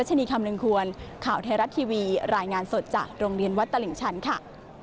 ชนีคำนึงควรข่าวไทยรัฐทีวีรายงานสดจากโรงเรียนวัดตลิ่งชันค่ะ